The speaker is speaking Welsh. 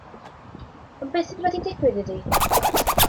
Ond beth sydd wedi digwydd iddi?